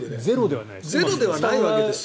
ゼロではないわけですよ。